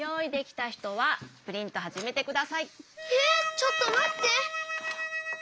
ちょっとまって！